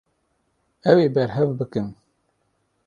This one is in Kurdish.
Ew ê berhev bikin.